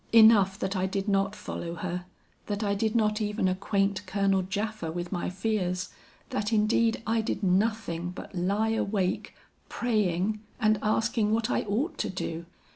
Enough that I did not follow her, that I did not even acquaint Colonel Japha with my fears, that indeed I did nothing but lie awake, praying and asking what I ought to do.